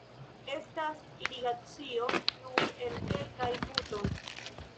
Estas irigacio nur el kelkaj putoj.